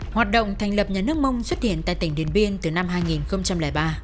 hoạt động thành lập nhà nước mông xuất hiện tại tỉnh điện biên từ năm hai nghìn ba